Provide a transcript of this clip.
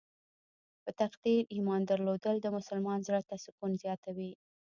په تقدیر ایمان درلودل د مسلمان زړه ته سکون زیاتوي.